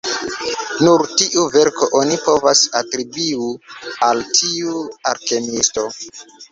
Nur tiu verko oni povas atribiu al tiu alkemiisto.